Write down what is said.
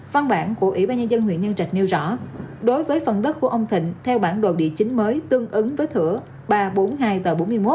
văn bản của ủy ban nhân dân huyện nhân trạch nêu rõ đối với phần đất của ông thịnh theo bản đồ địa chính mới tương ứng với thửa ba trăm bốn mươi hai và bốn mươi một